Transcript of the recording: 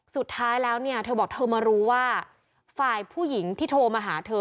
สุดท้ายแล้วเนี่ยเธอบอกเธอมารู้ว่าฝ่ายผู้หญิงที่โทรมาหาเธอ